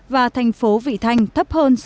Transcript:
và thành phố vị thanh thấp hơn